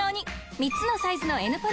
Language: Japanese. ３つのサイズの「Ｎポルダ」